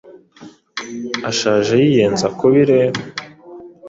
Ashaje yiyenza kubi rero